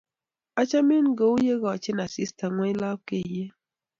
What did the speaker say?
Achamin kou ye ikochin asista ng'wony lapkeiyet.